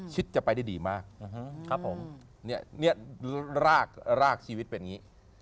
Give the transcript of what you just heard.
ชิดจะไปได้ดีมากรากชีวิตเป็นอย่างนี้